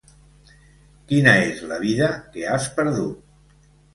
Quina és la vida que has perdut?